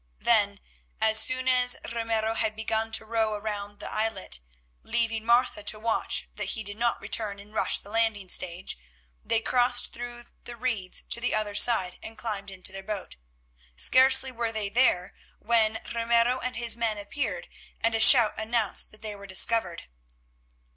Then, as soon as Ramiro had begun to row round the islet, leaving Martha to watch that he did not return and rush the landing stage, they crossed through the reeds to the other side and climbed into their boat. Scarcely were they there, when Ramiro and his men appeared, and a shout announced that they were discovered.